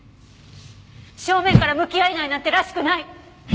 正面から向き合えないなんてらしくない！